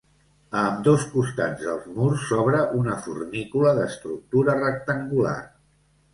A ambdós costats dels murs s'obra una fornícula d'estructura rectangular.